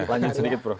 lanjut sedikit prof